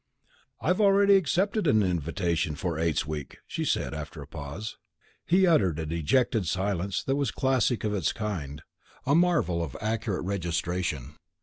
"I've already accepted an invitation for Eights Week," she said, after a pause. He uttered a dejected silence that was a classic of its kind, a marvel of accurate registration.